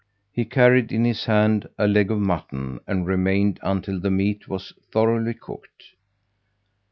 He carried in his hand a leg of mutton and remained until the meat was thoroughly cooked.